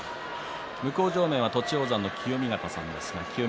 向正面は栃煌山の清見潟さんです。